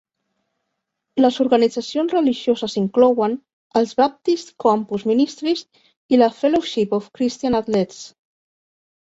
Les organitzacions religioses inclouen: els Baptist Campus Ministries i la Fellowship of Christian Athletes.